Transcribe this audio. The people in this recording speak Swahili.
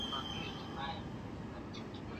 Alinipigia kunijulia hali